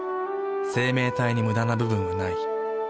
生命体にムダな部分はない。